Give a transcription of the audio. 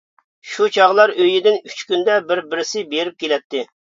شۇ چاغلار ئۆيدىن ئۈچ كۈندە بىر بىرسى بېرىپ كېلەتتى.